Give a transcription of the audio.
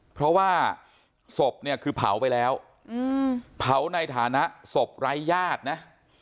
เพราะว่าศพเนี่ยคือเผาไปแล้วเผาในฐานะศพไร้ญาตินะ